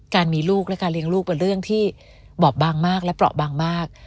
การมีลูกและการเลี้ยงลูกเป็นเรื่องที่บอบบางมากและเปราะบางมาก